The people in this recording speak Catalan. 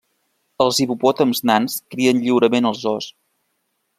Els hipopòtams nans crien lliurement als zoos.